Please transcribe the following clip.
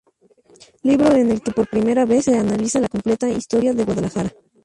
Libro en el que por primera vez se analiza la completa historia de Guadalajara.